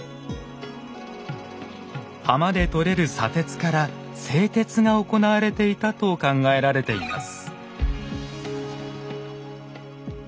浜でとれる砂鉄から製鉄が行われていたと考えられています。